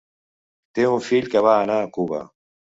Té un fill que va anar a Cuba.